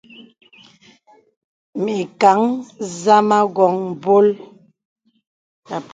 Mìkàŋ zàmā wōŋ mbòl.